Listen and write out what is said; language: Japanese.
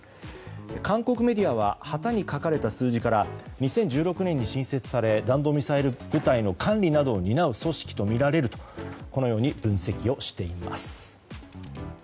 韓国メディアは旗に書かれた数字から２０１６年に新設され弾道ミサイル部隊の管理などを担う組織とみられるとこのように分析をしています。